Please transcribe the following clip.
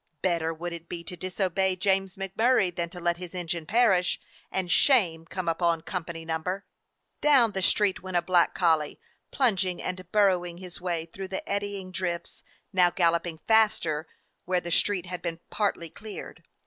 Better would it be to disobey James MacMurray than to let his engine perish, and shame come upon Company No. —! Down the street went a black collie, plung ing and burrowing his way through the eddy ing drifts, now galloping faster where the street had been partly cleared.